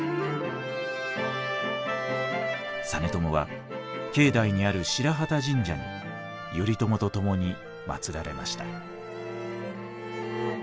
実朝は境内にある白旗神社に頼朝と共に祀られました。